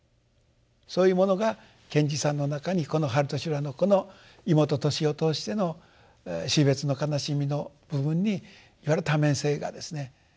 そういうものが賢治さんの中にこの「春と修羅」のこの妹トシを通しての死別の悲しみの部分にいわゆる多面性がですね